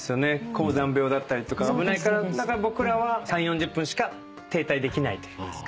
高山病だったりとか危ないから僕らは３０４０分しか停滞できないといいますか。